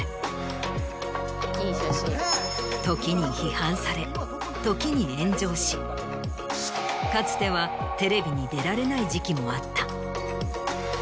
時に批判され時に炎上しかつてはテレビに出られない時期もあった。